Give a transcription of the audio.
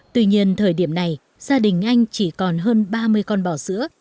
tuy nhiên thời điểm này gia đình anh chỉ còn hơn ba mươi con bò sữa